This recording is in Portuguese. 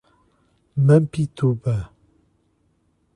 Mampituba